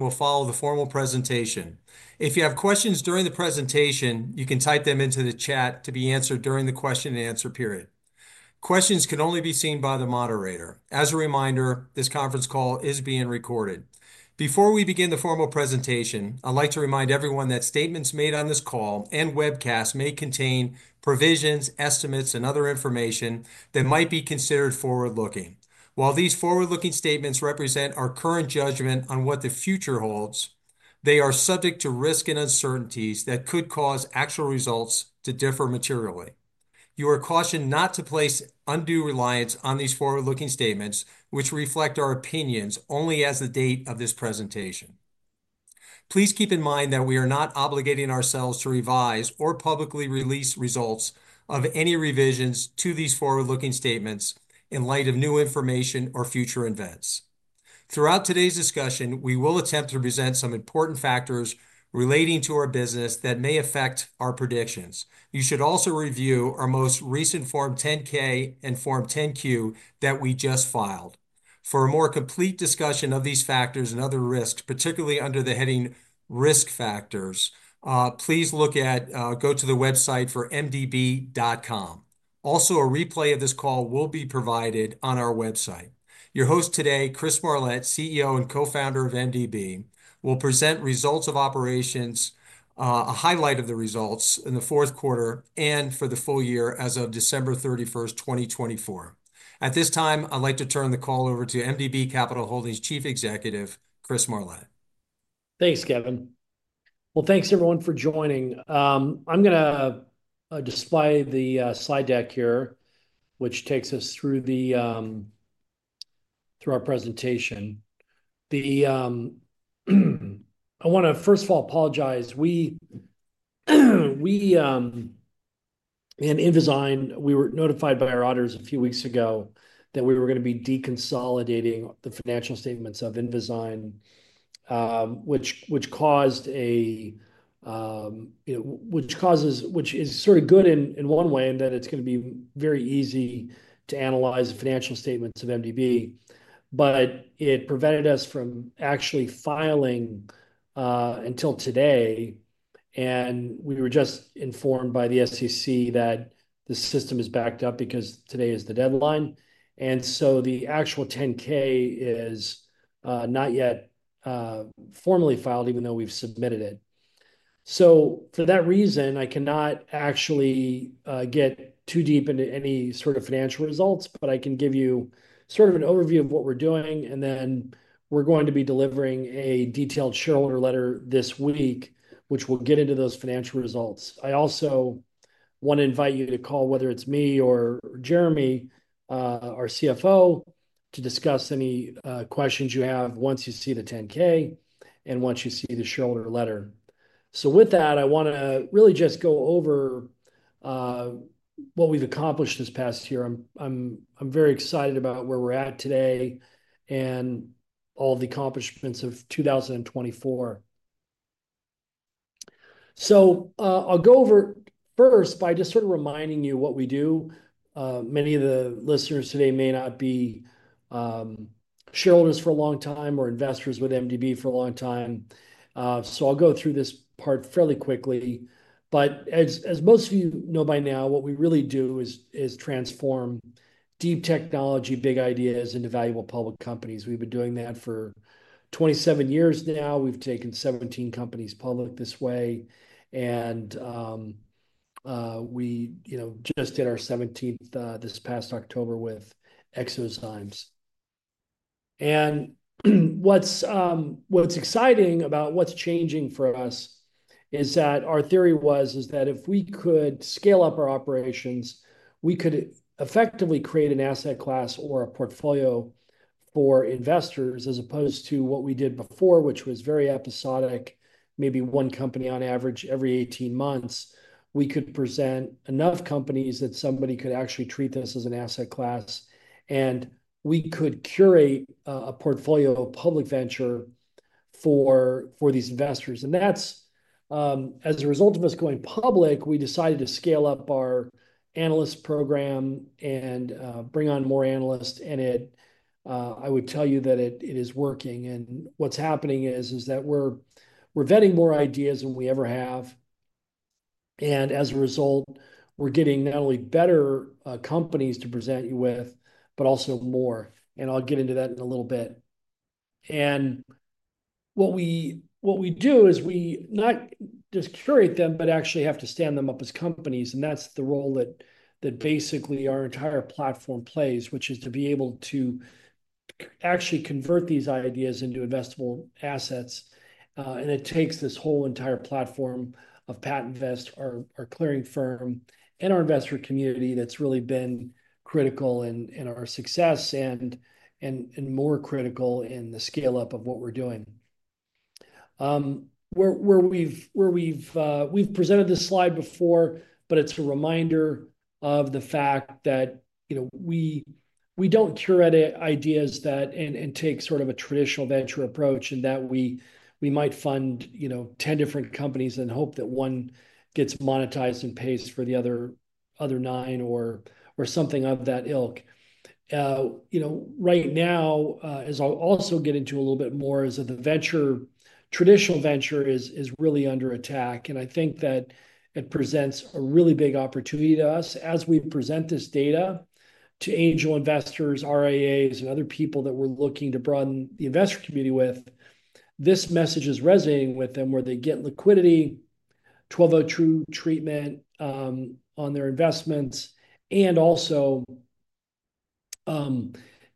We'll follow the formal presentation. If you have questions during the presentation, you can type them into the chat to be answered during the question-and-answer period. Questions can only be seen by the moderator. As a reminder, this conference call is being recorded. Before we begin the formal presentation, I'd like to remind everyone that statements made on this call and webcast may contain provisions, estimates, and other information that might be considered forward-looking. While these forward-looking statements represent our current judgment on what the future holds, they are subject to risk and uncertainties that could cause actual results to differ materially. You are cautioned not to place undue reliance on these forward-looking statements, which reflect our opinions only as the date of this presentation. Please keep in mind that we are not obligating ourselves to revise or publicly release results of any revisions to these forward-looking statements in light of new information or future events. Throughout today's discussion, we will attempt to present some important factors relating to our business that may affect our predictions. You should also review our most recent Form 10-K and Form 10-Q that we just filed. For a more complete discussion of these factors and other risks, particularly under the heading Risk Factors, please go to the website for MDB.com. Also, a replay of this call will be provided on our website. Your host today, Chris Marlett, CEO and co-founder of MDB, will present results of operations, a highlight of the results in the fourth quarter and for the full year as of December 31, 2024. At this time, I'd like to turn the call over to MDB Capital Holdings Chief Executive, Chris Marlett. Thanks, Kevin. Thanks, everyone, for joining. I'm going to display the slide deck here, which takes us through our presentation. I want to, first of all, apologize. We and Invizyne, we were notified by our auditors a few weeks ago that we were going to be deconsolidating the financial statements of Invizyne, which causes, which is sort of good in one way in that it's going to be very easy to analyze the financial statements of MDB, but it prevented us from actually filing until today. We were just informed by the SEC that the system is backed up because today is the deadline. The actual 10-K is not yet formally filed, even though we've submitted it. For that reason, I cannot actually get too deep into any sort of financial results, but I can give you sort of an overview of what we're doing. We are going to be delivering a detailed shareholder letter this week, which will get into those financial results. I also want to invite you to call, whether it's me or Jeremy, our CFO, to discuss any questions you have once you see the 10-K and once you see the shareholder letter. With that, I want to really just go over what we've accomplished this past year. I'm very excited about where we're at today and all the accomplishments of 2024. I'll go over first by just sort of reminding you what we do. Many of the listeners today may not be shareholders for a long time or investors with MDB for a long time. I'll go through this part fairly quickly. As most of you know by now, what we really do is transform deep technology, big ideas into valuable public companies. We've been doing that for 27 years now. We've taken 17 companies public this way. We just did our 17th this past October with eXoZymes. What's exciting about what's changing for us is that our theory was that if we could scale up our operations, we could effectively create an asset class or a portfolio for investors as opposed to what we did before, which was very episodic, maybe one company on average every 18 months. We could present enough companies that somebody could actually treat this as an asset class, and we could curate a portfolio of public venture for these investors. That is, as a result of us going public, we decided to scale up our analyst program and bring on more analysts. I would tell you that it is working. What is happening is that we are vetting more ideas than we ever have. As a result, we are getting not only better companies to present you with, but also more. I will get into that in a little bit. What we do is we not just curate them, but actually have to stand them up as companies. That is the role that basically our entire platform plays, which is to be able to actually convert these ideas into investable assets. It takes this whole entire platform of PatentVest, our clearing firm, and our investor community that has really been critical in our success and more critical in the scale-up of what we are doing. We've presented this slide before, but it's a reminder of the fact that we don't curate ideas and take sort of a traditional venture approach in that we might fund 10 different companies and hope that one gets monetized and pays for the other nine or something of that ilk. Right now, as I'll also get into a little bit more, is that the traditional venture is really under attack. I think that it presents a really big opportunity to us. As we present this data to angel investors, RIAs, and other people that we're looking to broaden the investor community with, this message is resonating with them where they get liquidity, 1202 treatment on their investments, and also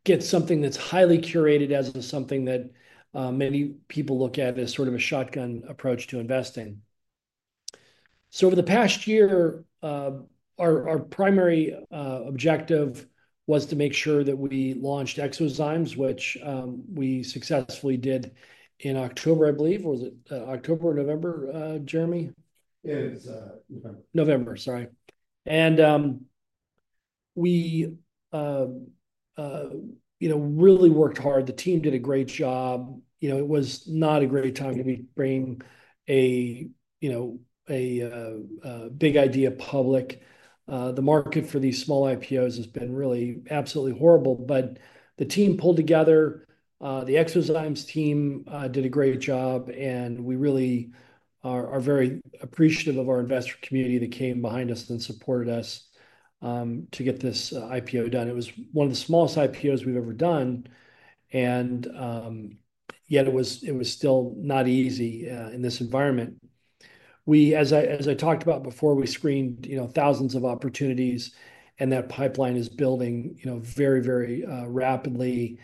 get something that's highly curated as something that many people look at as sort of a shotgun approach to investing. Over the past year, our primary objective was to make sure that we launched eXoZymes, which we successfully did in October, I believe. Was it October or November, Jeremy? It was November. November, sorry. We really worked hard. The team did a great job. It was not a great time to bring a big idea public. The market for these small IPOs has been really absolutely horrible. The team pulled together. The eXoZymes team did a great job. We really are very appreciative of our investor community that came behind us and supported us to get this IPO done. It was one of the smallest IPOs we've ever done. It was still not easy in this environment. As I talked about before, we screened thousands of opportunities, and that pipeline is building very, very rapidly.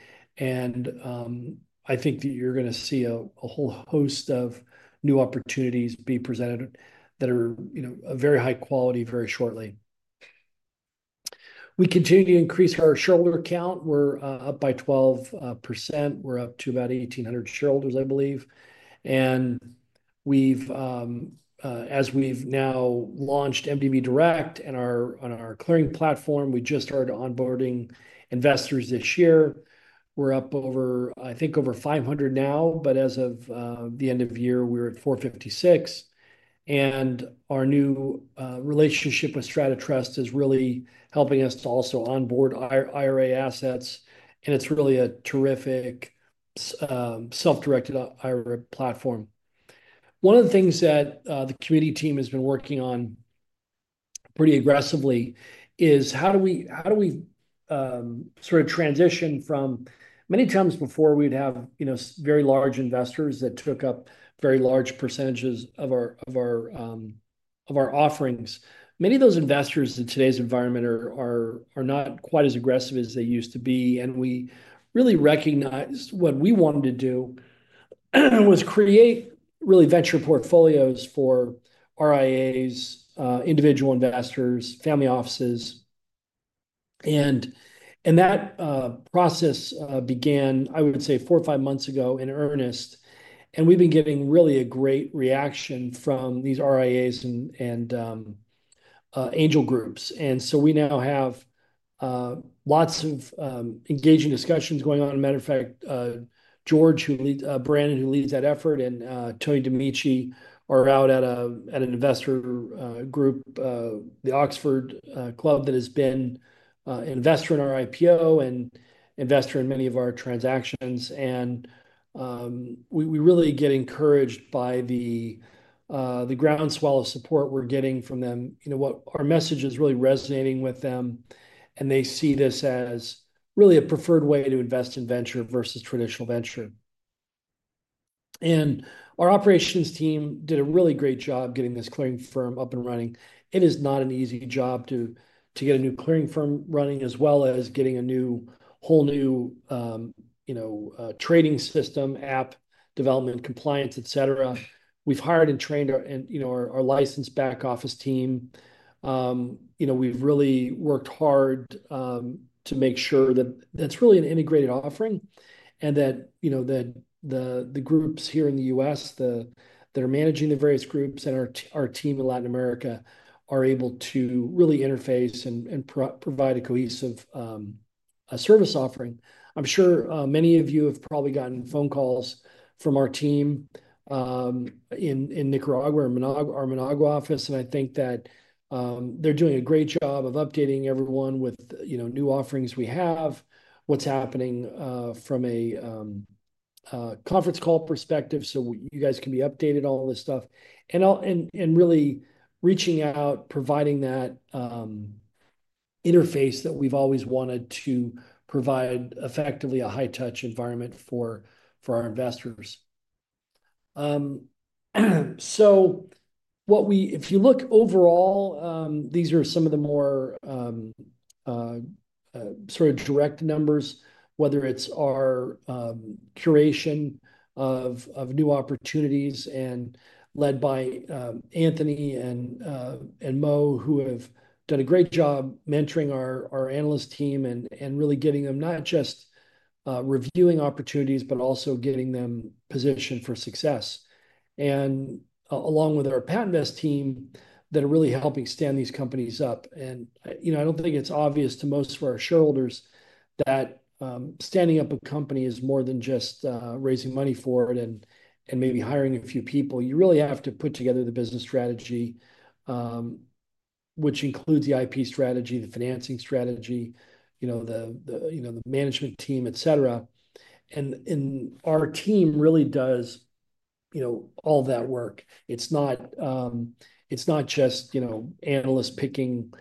I think that you're going to see a whole host of new opportunities be presented that are of very high quality very shortly. We continue to increase our shareholder count. We're up by 12%. We're up to about 1,800 shareholders, I believe. As we've now launched MDB Direct and our clearing platform, we just started onboarding investors this year. We're up over, I think, over 500 now. As of the end of the year, we were at 456. Our new relationship with Strata Trust is really helping us to also onboard IRA assets. It's really a terrific self-directed IRA platform. One of the things that the community team has been working on pretty aggressively is how do we sort of transition from many times before we'd have very large investors that took up very large percentages of our offerings. Many of those investors in today's environment are not quite as aggressive as they used to be. We really recognized what we wanted to do was create really venture portfolios for RIAs, individual investors, family offices. That process began, I would say, four or five months ago in earnest. We have been getting really a great reaction from these RIAs and angel groups. We now have lots of engaging discussions going on. As a matter of fact, George, Brandon, who leads that effort, and Tony Dammicci are out at an investor group, the Oxford Club, that has been an investor in our IPO and investor in many of our transactions. We really get encouraged by the groundswell of support we are getting from them. Our message is really resonating with them. They see this as really a preferred way to invest in venture versus traditional venture. Our operations team did a really great job getting this clearing firm up and running. It is not an easy job to get a new clearing firm running as well as getting a whole new trading system, app development, compliance, etc. We've hired and trained our licensed back office team. We've really worked hard to make sure that that's really an integrated offering and that the groups here in the U.S. that are managing the various groups and our team in Latin America are able to really interface and provide a cohesive service offering. I'm sure many of you have probably gotten phone calls from our team in Nicaragua or our Managua office. I think that they're doing a great job of updating everyone with new offerings we have, what's happening from a conference call perspective so you guys can be updated on all this stuff, and really reaching out, providing that interface that we've always wanted to provide, effectively a high-touch environment for our investors. If you look overall, these are some of the more sort of direct numbers, whether it's our curation of new opportunities led by Anthony and Moe, who have done a great job mentoring our analyst team and really getting them not just reviewing opportunities, but also getting them positioned for success. Along with our PatentVest team that are really helping stand these companies up. I don't think it's obvious to most of our shareholders that standing up a company is more than just raising money for it and maybe hiring a few people. You really have to put together the business strategy, which includes the IP strategy, the financing strategy, the management team, etc. Our team really does all that work. It's not just analysts picking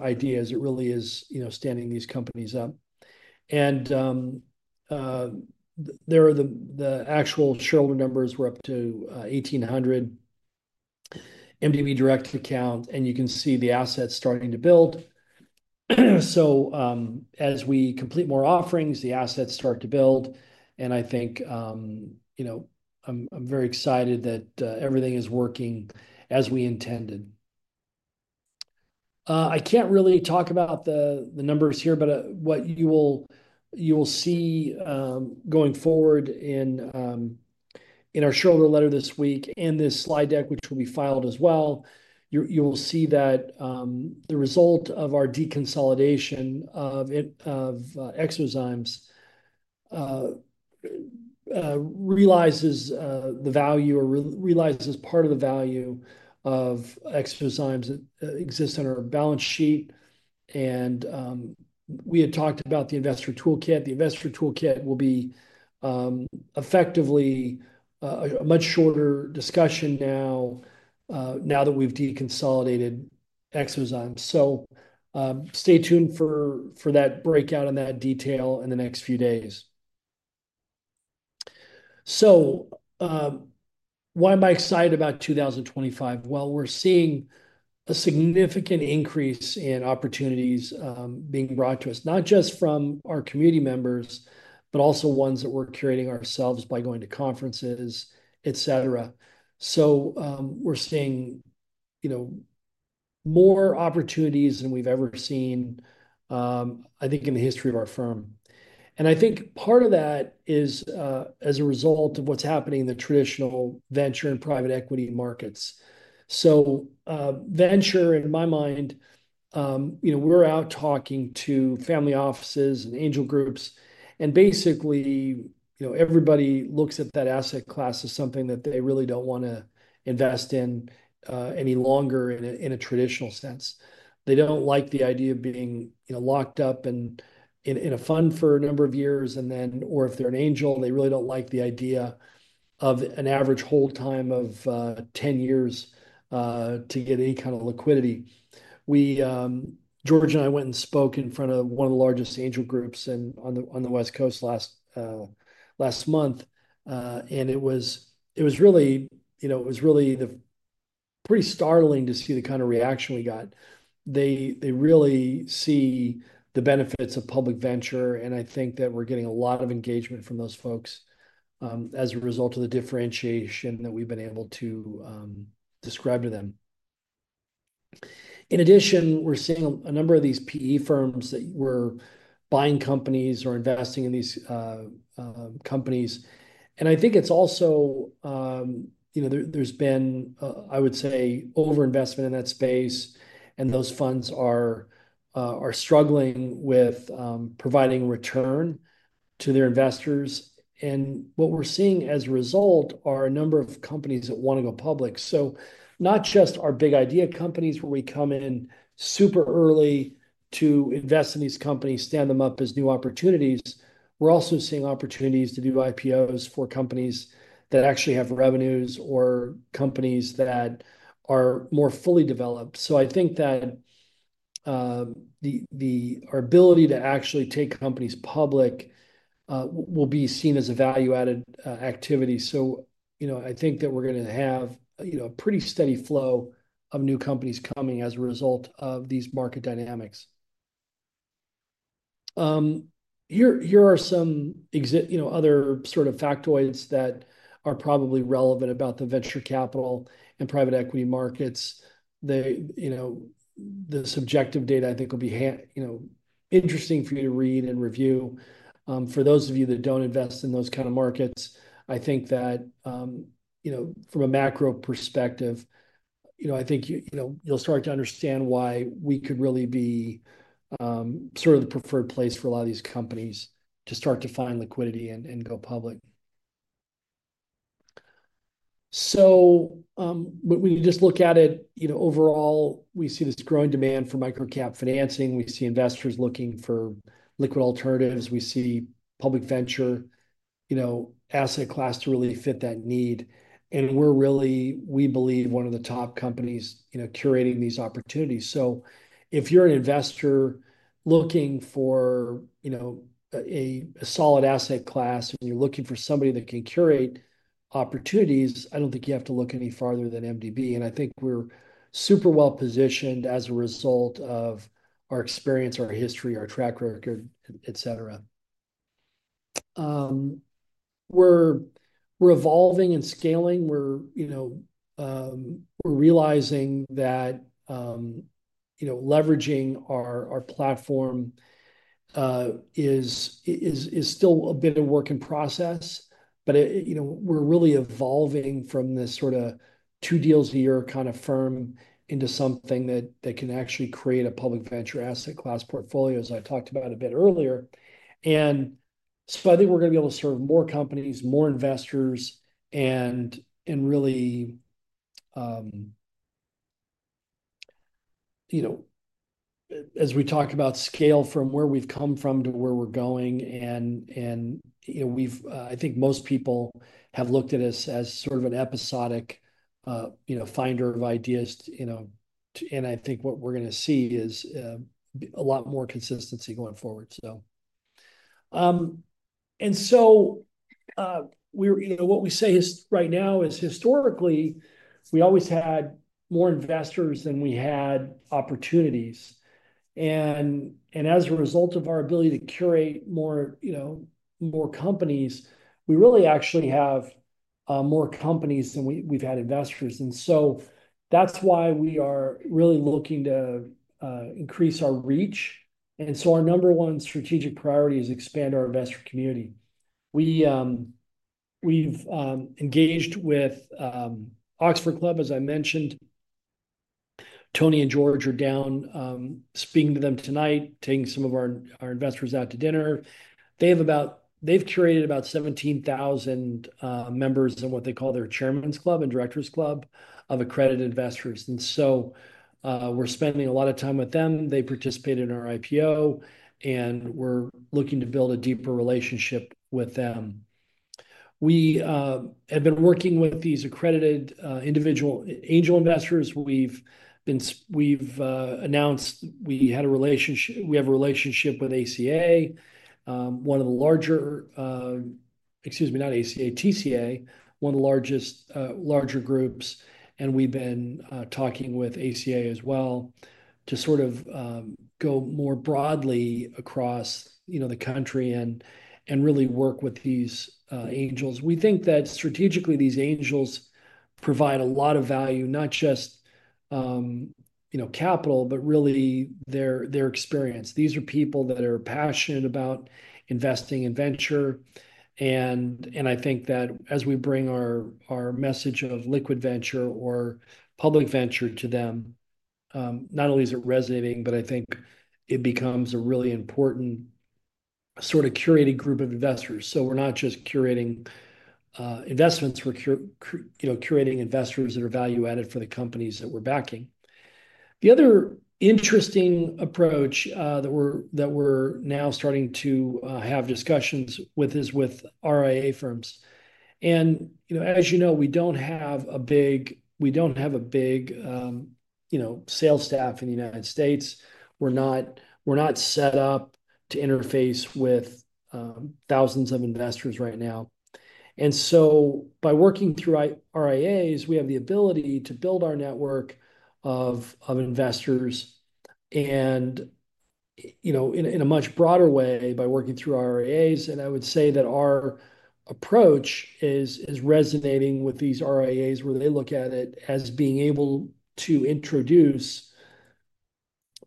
ideas. It really is standing these companies up. The actual shareholder numbers were up to 1,800 MDB Direct accounts. You can see the assets starting to build. As we complete more offerings, the assets start to build. I think I'm very excited that everything is working as we intended. I can't really talk about the numbers here, but what you will see going forward in our shareholder letter this week and this slide deck, which will be filed as well, you will see that the result of our deconsolidation of eXoZymes realizes the value or realizes part of the value of eXoZymes that exists on our balance sheet. We had talked about the investor toolkit. The investor toolkit will be effectively a much shorter discussion now that we've deconsolidated eXoZymes. Stay tuned for that breakout and that detail in the next few days. Why am I excited about 2025? We're seeing a significant increase in opportunities being brought to us, not just from our community members, but also ones that we're curating ourselves by going to conferences, etc. We're seeing more opportunities than we've ever seen, I think, in the history of our firm. I think part of that is as a result of what's happening in the traditional venture and private equity markets. Venture, in my mind, we're out talking to family offices and angel groups. Basically, everybody looks at that asset class as something that they really don't want to invest in any longer in a traditional sense. They don't like the idea of being locked up in a fund for a number of years. Or if they're an angel, they really don't like the idea of an average hold time of 10 years to get any kind of liquidity. George and I went and spoke in front of one of the largest angel groups on the West Coast last month. It was really pretty startling to see the kind of reaction we got. They really see the benefits of public venture. I think that we're getting a lot of engagement from those folks as a result of the differentiation that we've been able to describe to them. In addition, we're seeing a number of these PE firms that were buying companies or investing in these companies. I think it's also there's been, I would say, overinvestment in that space. Those funds are struggling with providing return to their investors. What we are seeing as a result are a number of companies that want to go public. Not just our big idea companies where we come in super early to invest in these companies, stand them up as new opportunities. We are also seeing opportunities to do IPOs for companies that actually have revenues or companies that are more fully developed. I think that our ability to actually take companies public will be seen as a value-added activity. I think that we are going to have a pretty steady flow of new companies coming as a result of these market dynamics. Here are some other sort of factoids that are probably relevant about the venture capital and private equity markets. The subjective data, I think, will be interesting for you to read and review. For those of you that don't invest in those kinds of markets, I think that from a macro perspective, I think you'll start to understand why we could really be sort of the preferred place for a lot of these companies to start to find liquidity and go public. When you just look at it overall, we see this growing demand for micro-cap financing. We see investors looking for liquid alternatives. We see public venture asset class to really fit that need. We believe one of the top companies curating these opportunities. If you're an investor looking for a solid asset class and you're looking for somebody that can curate opportunities, I don't think you have to look any farther than MDB. I think we're super well-positioned as a result of our experience, our history, our track record, etc. We're evolving and scaling. We're realizing that leveraging our platform is still a bit of work in process. We're really evolving from this sort of two deals a year kind of firm into something that can actually create a public venture asset class portfolio, as I talked about a bit earlier. I think we're going to be able to serve more companies, more investors, and really, as we talk about scale from where we've come from to where we're going. I think most people have looked at us as sort of an episodic finder of ideas. I think what we're going to see is a lot more consistency going forward. What we say right now is historically, we always had more investors than we had opportunities. As a result of our ability to curate more companies, we actually have more companies than we've had investors. That is why we are really looking to increase our reach. Our number one strategic priority is to expand our investor community. We've engaged with Oxford Club, as I mentioned. Tony and George are down speaking to them tonight, taking some of our investors out to dinner. They've curated about 17,000 members of what they call their Chairman's club and Directors' club of accredited investors. We are spending a lot of time with them. They participated in our IPO, and we're looking to build a deeper relationship with them. We have been working with these accredited individual angel investors. We've announced we have a relationship with ACA, one of the larger—excuse me, not ACA, TCA, one of the larger groups. We have been talking with ACA as well to sort of go more broadly across the country and really work with these angels. We think that strategically, these angels provide a lot of value, not just capital, but really their experience. These are people that are passionate about investing in venture. I think that as we bring our message of liquid venture or public venture to them, not only is it resonating, but I think it becomes a really important sort of curated group of investors. We are not just curating investments. We are curating investors that are value-added for the companies that we are backing. The other interesting approach that we are now starting to have discussions with is with RIA firms. As you know, we do not have a big sales staff in the United States. We're not set up to interface with thousands of investors right now. By working through RIAs, we have the ability to build our network of investors in a much broader way by working through RIAs. I would say that our approach is resonating with these RIAs where they look at it as being able to introduce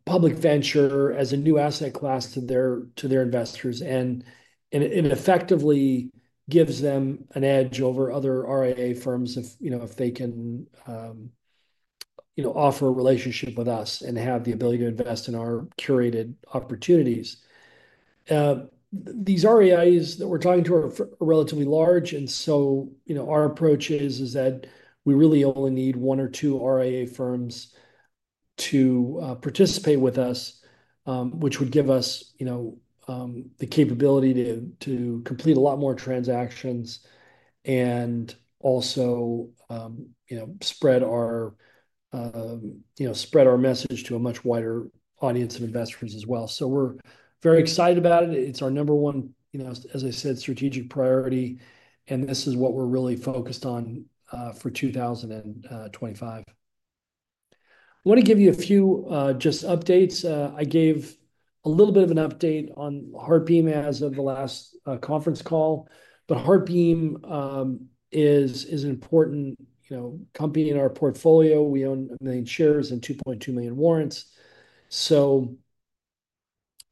public venture as a new asset class to their investors and effectively gives them an edge over other RIA firms if they can offer a relationship with us and have the ability to invest in our curated opportunities. These RIAs that we're talking to are relatively large. Our approach is that we really only need one or two RIA firms to participate with us, which would give us the capability to complete a lot more transactions and also spread our message to a much wider audience of investors as well. We are very excited about it. It is our number one, as I said, strategic priority. This is what we are really focused on for 2025. I want to give you a few updates. I gave a little bit of an update on HeartBeam as of the last conference call. HeartBeam is an important company in our portfolio. We own 1 million shares and 2.2 million warrants.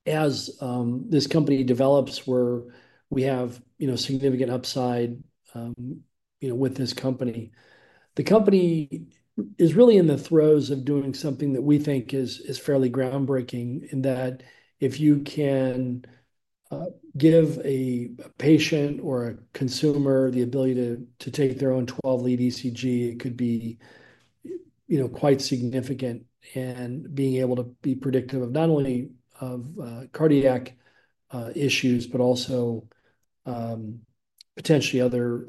As this company develops, we have significant upside with this company. The company is really in the throes of doing something that we think is fairly groundbreaking in that if you can give a patient or a consumer the ability to take their own 12-lead ECG, it could be quite significant in being able to be predictive of not only cardiac issues, but also potentially other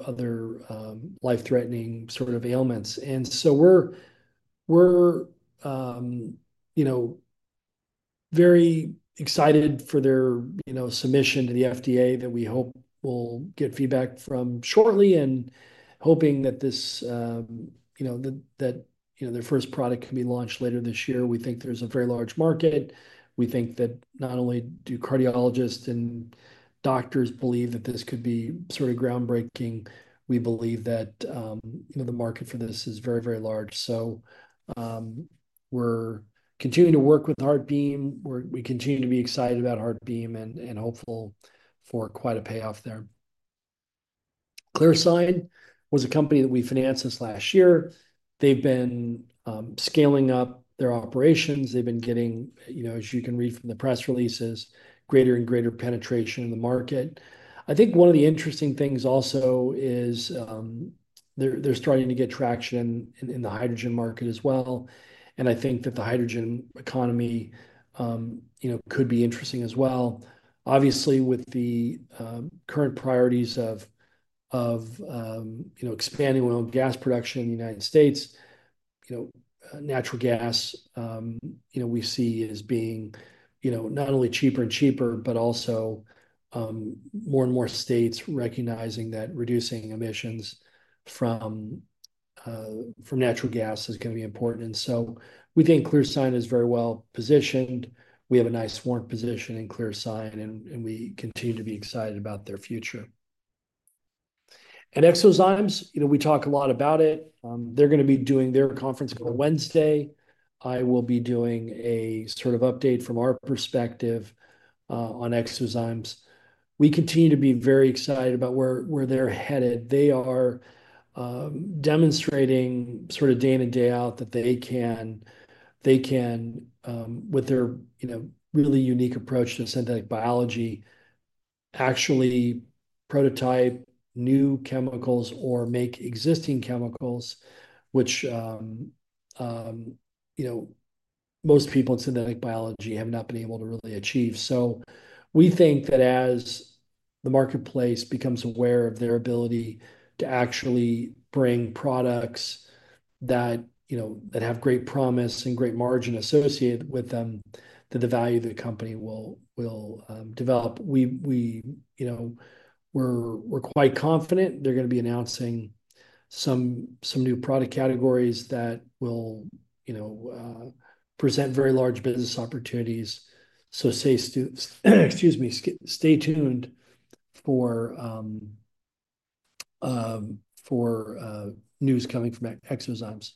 life-threatening sort of ailments. We are very excited for their submission to the FDA that we hope we will get feedback from shortly and hoping that their first product can be launched later this year. We think there is a very large market. We think that not only do cardiologists and doctors believe that this could be sort of groundbreaking. We believe that the market for this is very, very large. We are continuing to work with HeartBeam. We continue to be excited about HeartBeam and hopeful for quite a payoff there. ClearSign was a company that we financed this last year. They've been scaling up their operations. They've been getting, as you can read from the press releases, greater and greater penetration in the market. I think one of the interesting things also is they're starting to get traction in the hydrogen market as well. I think that the hydrogen economy could be interesting as well. Obviously, with the current priorities of expanding oil and gas production in the United States, natural gas we see as being not only cheaper and cheaper, but also more and more states recognizing that reducing emissions from natural gas is going to be important. We think ClearSign is very well positioned. We have a nice warm position in ClearSign, and we continue to be excited about their future. And eXoZymes, we talk a lot about it. They're going to be doing their conference on Wednesday. I will be doing a sort of update from our perspective on eXoZymes. We continue to be very excited about where they're headed. They are demonstrating sort of day in and day out that they can, with their really unique approach to synthetic biology, actually prototype new chemicals or make existing chemicals, which most people in synthetic biology have not been able to really achieve. We think that as the marketplace becomes aware of their ability to actually bring products that have great promise and great margin associated with them, the value of the company will develop. We're quite confident they're going to be announcing some new product categories that will present very large business opportunities. Stay tuned for news coming from eXoZymes.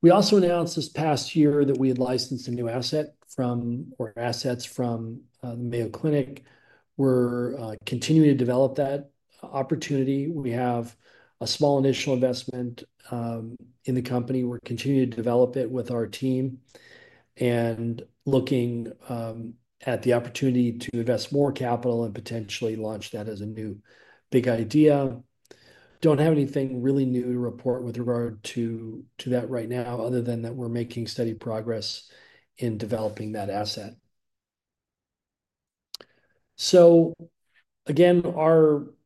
We also announced this past year that we had licensed a new asset or assets from Mayo Clinic. We're continuing to develop that opportunity. We have a small initial investment in the company. We're continuing to develop it with our team and looking at the opportunity to invest more capital and potentially launch that as a new big idea. I don't have anything really new to report with regard to that right now, other than that we're making steady progress in developing that asset.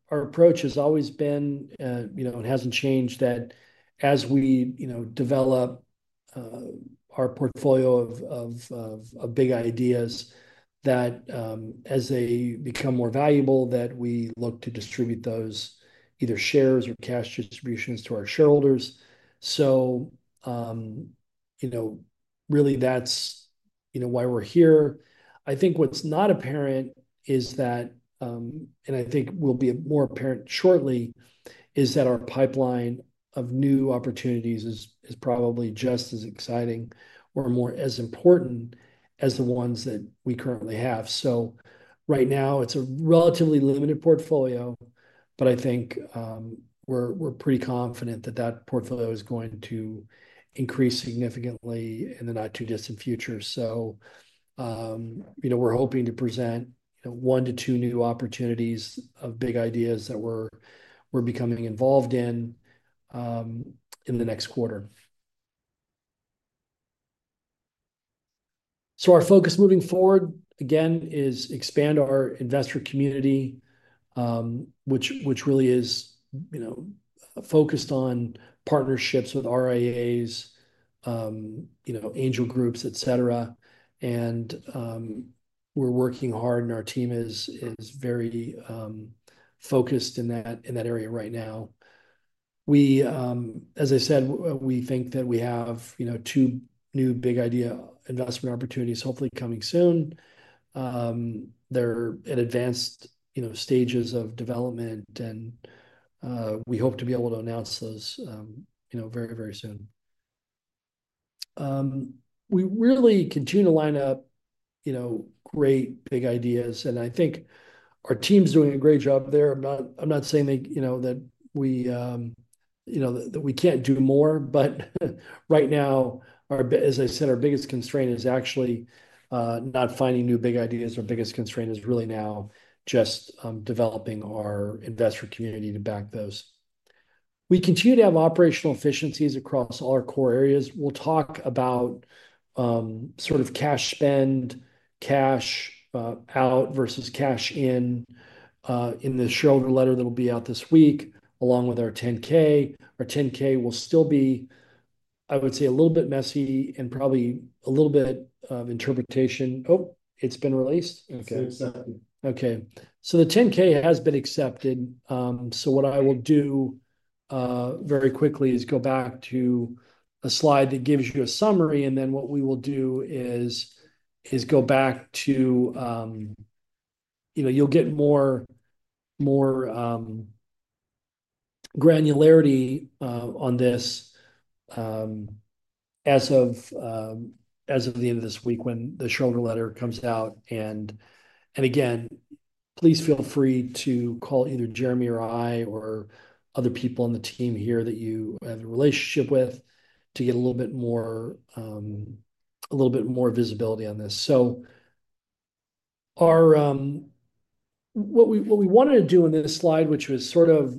Our approach has always been and hasn't changed that as we develop our portfolio of big ideas, that as they become more valuable, we look to distribute those either shares or cash distributions to our shareholders. That's why we're here. I think what's not apparent is that, and I think will be more apparent shortly, is that our pipeline of new opportunities is probably just as exciting or as important as the ones that we currently have. Right now, it's a relatively limited portfolio, but I think we're pretty confident that that portfolio is going to increase significantly in the not-too-distant future. We're hoping to present one to two new opportunities of big ideas that we're becoming involved in in the next quarter. Our focus moving forward, again, is to expand our investor community, which really is focused on partnerships with RIAs, angel groups, etc. We're working hard, and our team is very focused in that area right now. As I said, we think that we have two new big idea investment opportunities, hopefully coming soon. They're at advanced stages of development, and we hope to be able to announce those very, very soon. We really continue to line up great big ideas. I think our team's doing a great job there. I'm not saying that we can't do more. Right now, as I said, our biggest constraint is actually not finding new big ideas. Our biggest constraint is really now just developing our investor community to back those. We continue to have operational efficiencies across all our core areas. We'll talk about sort of cash spend, cash out versus cash in in the shareholder letter that will be out this week, along with our 10K. Our 10K will still be, I would say, a little bit messy and probably a little bit of interpretation. Oh, it's been released. Okay. The 10K has been accepted. What I will do very quickly is go back to a slide that gives you a summary. What we will do is go back to you'll get more granularity on this as of the end of this week when the shareholder letter comes out. Again, please feel free to call either Jeremy or I or other people on the team here that you have a relationship with to get a little bit more visibility on this. What we wanted to do in this slide, which was sort of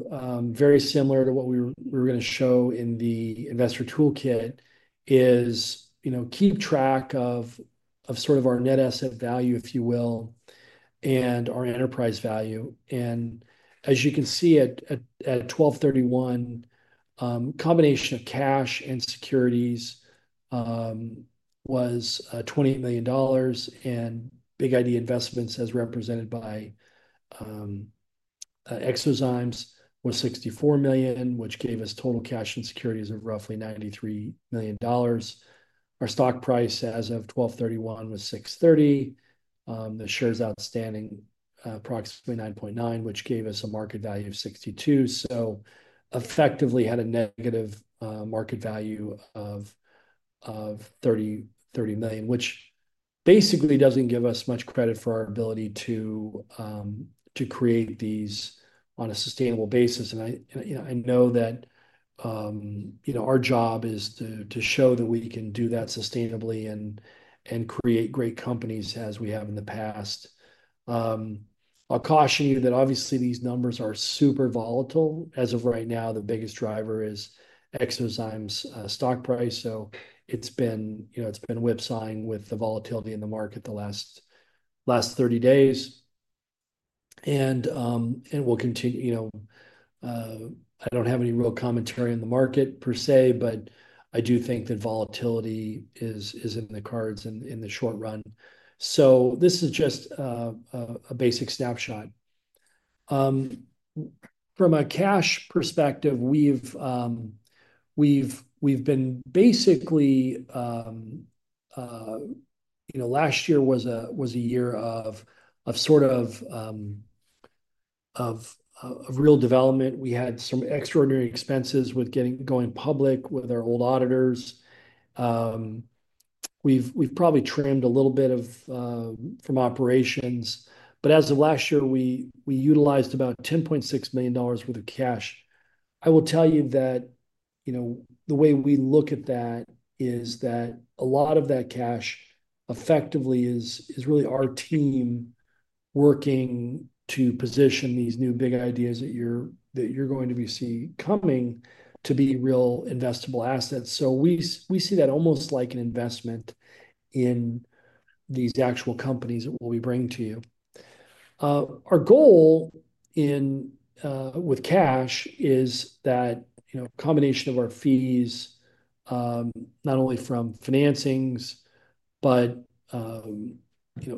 very similar to what we were going to show in the investor toolkit, is keep track of sort of our net asset value, if you will, and our enterprise value. As you can see at 12/31, a combination of cash and securities was $28 million. Big idea investments, as represented by eXoZymes, were $64 million, which gave us total cash and securities of roughly $93 million. Our stock price as of December 31 was $630. The shares outstanding approximately 9.9 million, which gave us a market value of $62 million. We effectively had a negative market value of $30 million, which basically does not give us much credit for our ability to create these on a sustainable basis. I know that our job is to show that we can do that sustainably and create great companies as we have in the past. I'll caution you that obviously these numbers are super volatile. As of right now, the biggest driver is eXoZymes' stock price. It has been whipsawing with the volatility in the market the last 30 days. We'll continue. I don't have any real commentary on the market per se, but I do think that volatility is in the cards in the short run. This is just a basic snapshot. From a cash perspective, we've been basically—last year was a year of sort of real development. We had some extraordinary expenses with going public with our old auditors. We've probably trimmed a little bit from operations. As of last year, we utilized about $10.6 million worth of cash. I will tell you that the way we look at that is that a lot of that cash effectively is really our team working to position these new big ideas that you're going to be seeing coming to be real investable assets. We see that almost like an investment in these actual companies that we'll be bringing to you. Our goal with cash is that a combination of our fees, not only from financings, but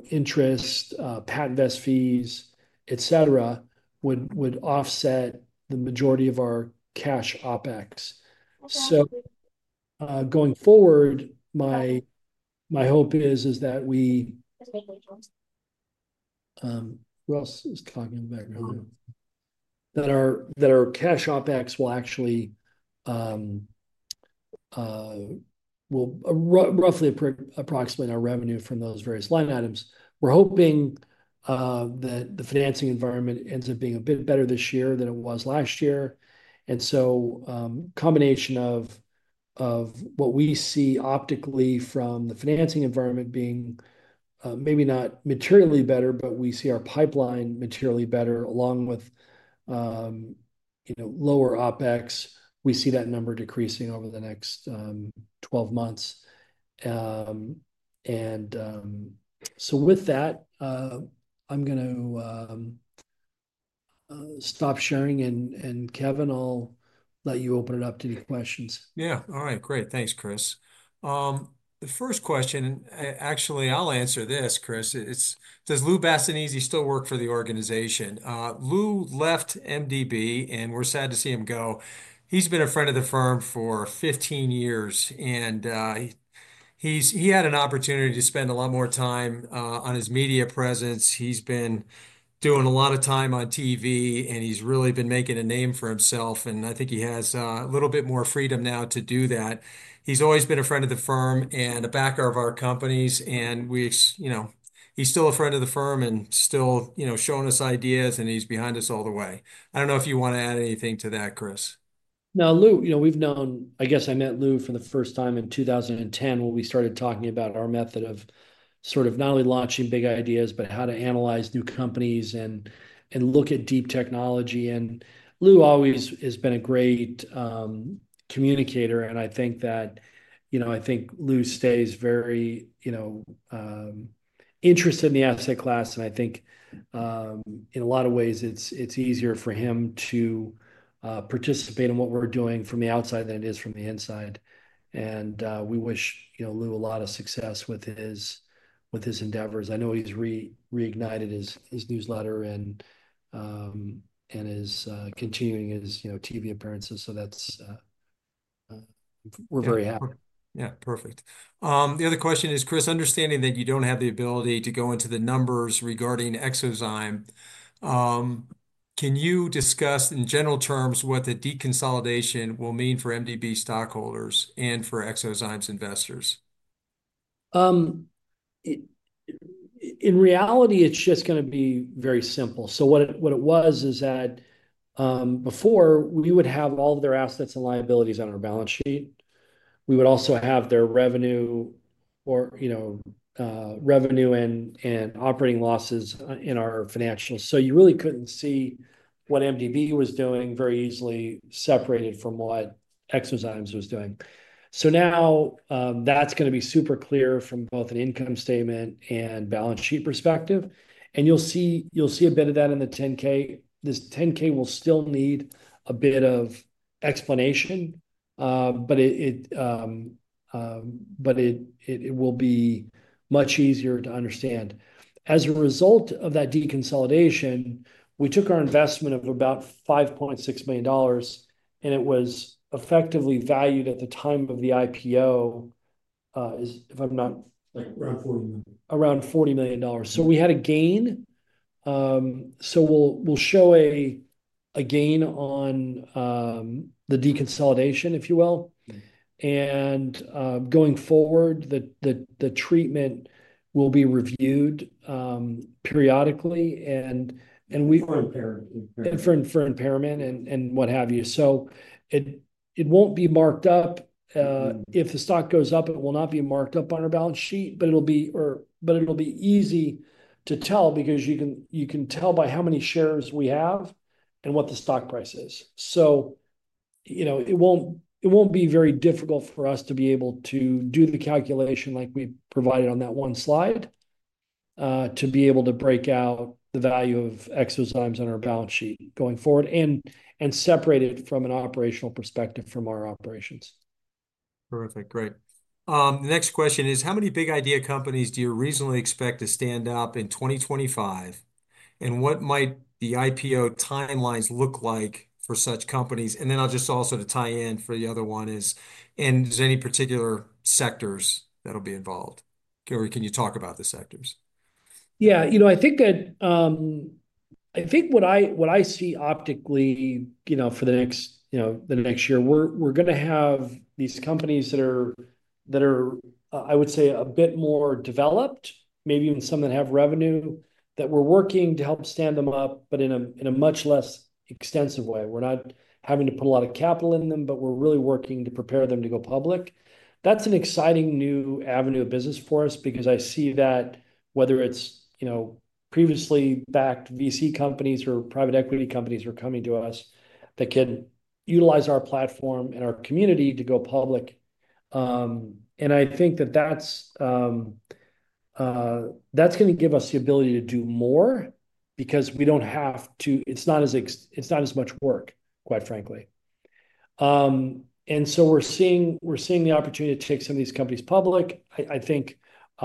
interest, PatentVest fees, etc., would offset the majority of our cash OpEx. Going forward, my hope is that we—who else is talking in the background? That our cash OpEx will roughly approximate our revenue from those various line items. We're hoping that the financing environment ends up being a bit better this year than it was last year. A combination of what we see optically from the financing environment being maybe not materially better, but we see our pipeline materially better along with lower OpEx, we see that number decreasing over the next 12 months. With that, I'm going to stop sharing. Kevin, I'll let you open it up to any questions. Yeah. All right. Great. Thanks, Chris. The first question, actually, I'll answer this, Chris. Does Lou Basenese still work for the organization? Lou left MDB, and we're sad to see him go. He's been a friend of the firm for 15 years. He had an opportunity to spend a lot more time on his media presence. He's been doing a lot of time on TV, and he's really been making a name for himself. I think he has a little bit more freedom now to do that. He's always been a friend of the firm and a backer of our companies. He's still a friend of the firm and still showing us ideas, and he's behind us all the way. I don't know if you want to add anything to that, Chris. No, Lou, I guess I met Lou for the first time in 2010 when we started talking about our method of sort of not only launching big ideas, but how to analyze new companies and look at deep technology. Lou always has been a great communicator. I think Lou stays very interested in the asset class. I think in a lot of ways, it's easier for him to participate in what we're doing from the outside than it is from the inside. We wish Lou a lot of success with his endeavors. I know he's reignited his newsletter and is continuing his TV appearances. We're very happy. Yeah. Perfect. The other question is, Chris, understanding that you don't have the ability to go into the numbers regarding eXoZymes, can you discuss in general terms what the deconsolidation will mean for MDB stockholders and for eXoZymes' investors? In reality, it's just going to be very simple. What it was is that before, we would have all of their assets and liabilities on our balance sheet. We would also have their revenue or revenue and operating losses in our financials. You really couldn't see what MDB was doing very easily separated from what eXoZymes was doing. Now that's going to be super clear from both an income statement and balance sheet perspective. You'll see a bit of that in the 10K. This 10K will still need a bit of explanation, but it will be much easier to understand. As a result of that deconsolidation, we took our investment of about $5.6 million, and it was effectively valued at the time of the IPO, if I'm not—around $40 million. Around $40 million. We had a gain. We will show a gain on the deconsolidation, if you will. Going forward, the treatment will be reviewed periodically. We—for impairment. For impairment and what have you. It will not be marked up. If the stock goes up, it will not be marked up on our balance sheet, but it will be easy to tell because you can tell by how many shares we have and what the stock price is. It will not be very difficult for us to be able to do the calculation like we provided on that one slide to be able to break out the value of eXoZymes on our balance sheet going forward and separate it from an operational perspective from our operations. Perfect. Great. The next question is, how many big idea companies do you reasonably expect to stand up in 2025? What might the IPO timelines look like for such companies? I will also tie in the other one, is there any particular sectors that will be involved? Gary, can you talk about the sectors? Yeah. I think what I see optically for the next year, we're going to have these companies that are, I would say, a bit more developed, maybe even some that have revenue that we're working to help stand them up, but in a much less extensive way. We're not having to put a lot of capital in them, but we're really working to prepare them to go public. That's an exciting new avenue of business for us because I see that whether it's previously backed VC companies or private equity companies who are coming to us that can utilize our platform and our community to go public. I think that that's going to give us the ability to do more because we don't have to—it's not as much work, quite frankly. We are seeing the opportunity to take some of these companies public.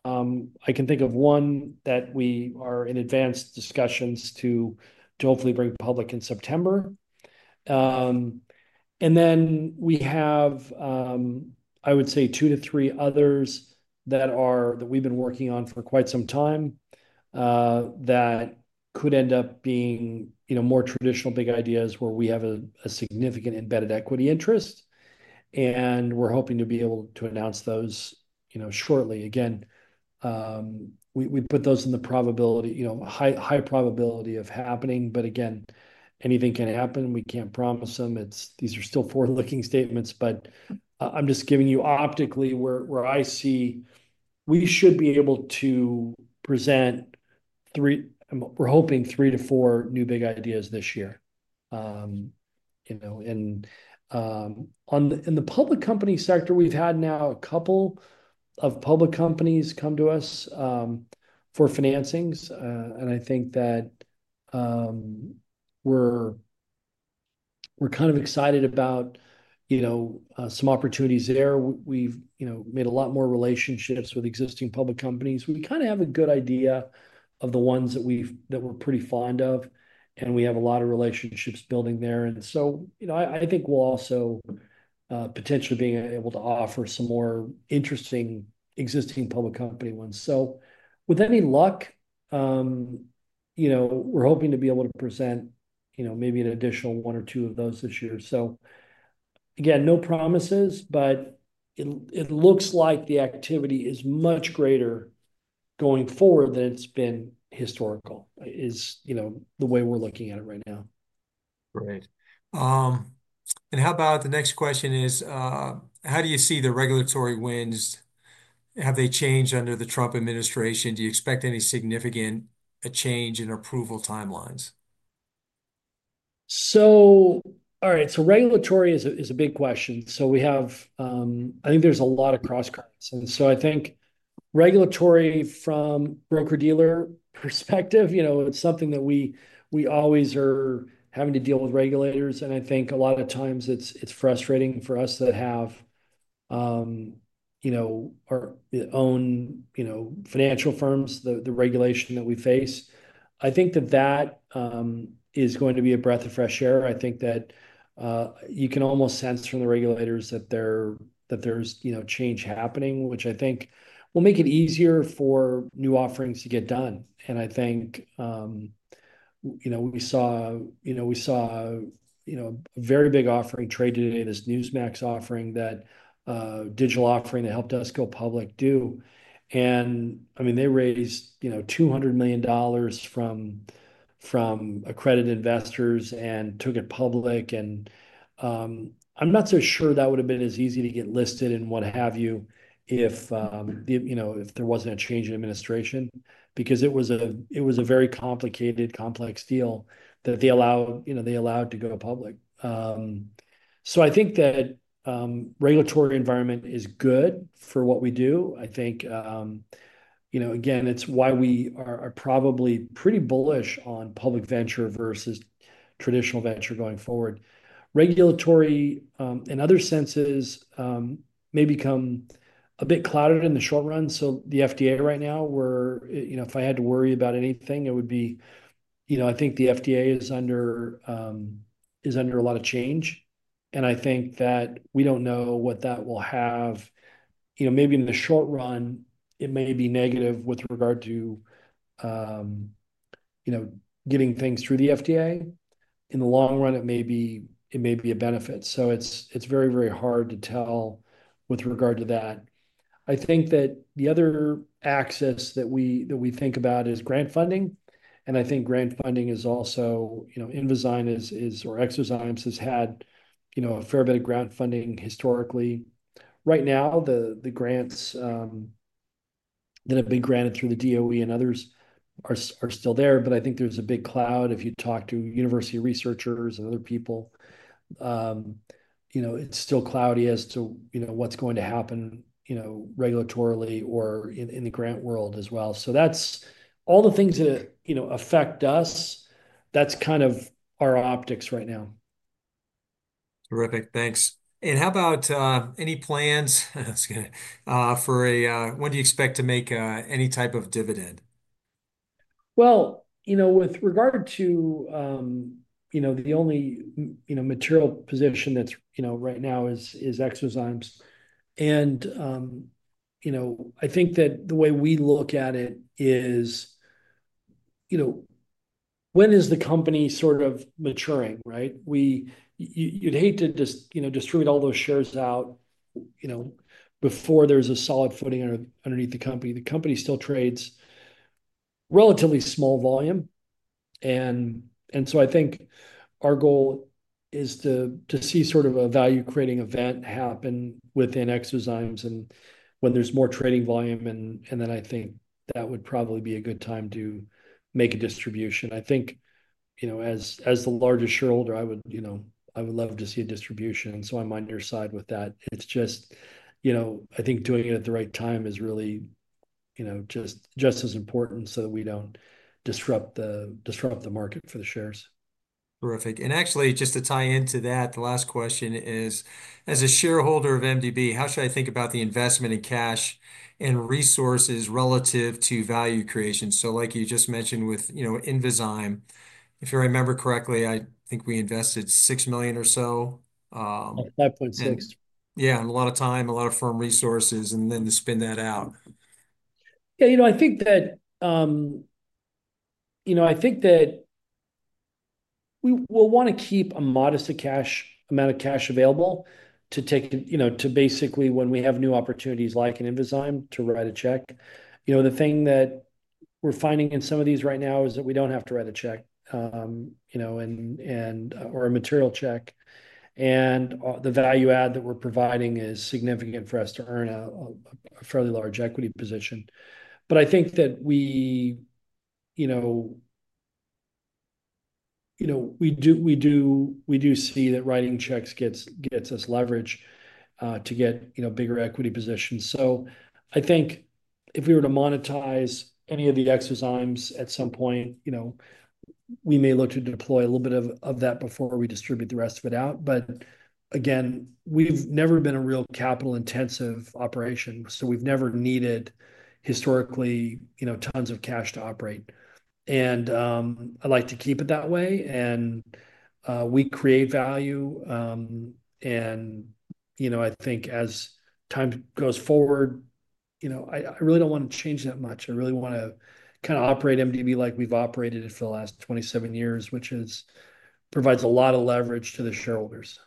I can think of one that we are in advanced discussions to hopefully bring public in September. We have, I would say, two to three others that we've been working on for quite some time that could end up being more traditional big ideas where we have a significant embedded equity interest. We are hoping to be able to announce those shortly. We put those in the high probability of happening. Anything can happen. We can't promise them. These are still forward-looking statements. I am just giving you optically where I see we should be able to present—we're hoping three to four new big ideas this year. In the public company sector, we've had now a couple of public companies come to us for financings. I think that we're kind of excited about some opportunities there. We've made a lot more relationships with existing public companies. We kind of have a good idea of the ones that we're pretty fond of. We have a lot of relationships building there. I think we'll also potentially be able to offer some more interesting existing public company ones. With any luck, we're hoping to be able to present maybe an additional one or two of those this year. Again, no promises, but it looks like the activity is much greater going forward than it's been historical is the way we're looking at it right now. Great. The next question is, how do you see the regulatory wins? Have they changed under the Trump administration? Do you expect any significant change in approval timelines? All right. Regulatory is a big question. I think there's a lot of cross-currents. I think regulatory from a broker-dealer perspective, it's something that we always are having to deal with regulators. I think a lot of times it's frustrating for us that have our own financial firms, the regulation that we face. I think that that is going to be a breath of fresh air. I think that you can almost sense from the regulators that there's change happening, which I think will make it easier for new offerings to get done. I think we saw a very big offering traded in this Newsmax offering, that digital offering that helped us go public do. I mean, they raised $200 million from accredited investors and took it public. I'm not so sure that would have been as easy to get listed and what have you if there wasn't a change in administration because it was a very complicated, complex deal that they allowed to go public. I think that regulatory environment is good for what we do. I think, again, it's why we are probably pretty bullish on public venture versus traditional venture going forward. Regulatory in other senses may become a bit clouded in the short run. The FDA right now, where if I had to worry about anything, it would be I think the FDA is under a lot of change. I think that we don't know what that will have. Maybe in the short run, it may be negative with regard to getting things through the FDA. In the long run, it may be a benefit. It is very, very hard to tell with regard to that. I think that the other axis that we think about is grant funding. I think grant funding is also, Invizyne or eXoZymes has had a fair bit of grant funding historically. Right now, the grants that have been granted through the DOE and others are still there. I think there is a big cloud. If you talk to university researchers and other people, it is still cloudy as to what is going to happen regulatorily or in the grant world as well. That is all the things that affect us. That is kind of our optics right now. Terrific. Thanks. How about any plans for a—when do you expect to make any type of dividend? With regard to the only material position that is right now is eXoZymes. I think that the way we look at it is when is the company sort of maturing, right? You'd hate to just distribute all those shares out before there's a solid footing underneath the company. The company still trades relatively small volume. I think our goal is to see sort of a value-creating event happen within eXoZymes when there's more trading volume. I think that would probably be a good time to make a distribution. I think as the largest shareholder, I would love to see a distribution. I'm on your side with that. It's just, I think, doing it at the right time is really just as important so that we don't disrupt the market for the shares. Terrific. Actually, just to tie into that, the last question is, as a shareholder of MDB, how should I think about the investment in cash and resources relative to value creation? Like you just mentioned with Invizyne, if you remember correctly, I think we invested $6 million or so. $5.6 million. Yeah. A lot of time, a lot of firm resources, and then to spin that out. Yeah. I think that we'll want to keep a modest amount of cash available to basically, when we have new opportunities like in Invizyne, to write a check. The thing that we're finding in some of these right now is that we do not have to write a check or a material check. The value add that we're providing is significant for us to earn a fairly large equity position. I think that we do see that writing checks gets us leverage to get bigger equity positions. I think if we were to monetize any of the eXoZymes at some point, we may look to deploy a little bit of that before we distribute the rest of it out. Again, we've never been a real capital-intensive operation. We've never needed historically tons of cash to operate. I like to keep it that way. We create value. I think as time goes forward, I really do not want to change that much. I really want to kind of operate MDB like we've operated it for the last 27 years, which provides a lot of leverage to the shareholders.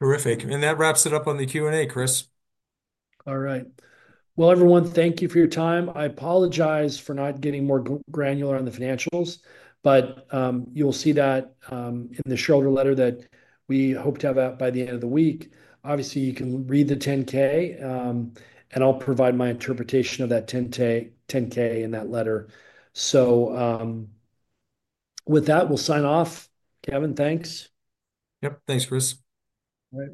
Terrific. That wraps it up on the Q&A, Chris. All right. Everyone, thank you for your time. I apologize for not getting more granular on the financials, but you'll see that in the shareholder letter that we hope to have out by the end of the week. Obviously, you can read the 10K, and I'll provide my interpretation of that 10K in that letter. With that, we'll sign off. Kevin, thanks. Yep. Thanks, Chris. All right.